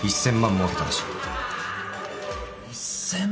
もうけたらしい。１，０００万！？